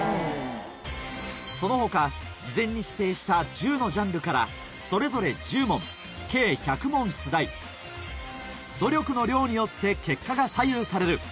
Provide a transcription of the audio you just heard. その他事前に指定した１０のジャンルからそれぞれ１０問計１００問出題努力の量によって結果が左右される